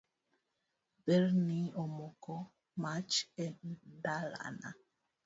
Berni omoko mach e ndalana.